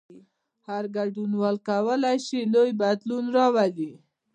هر ګډونوال کولای شي لوی بدلون راولي.